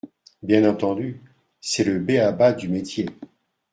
Bien entendu, c’est le b-a ba du métier.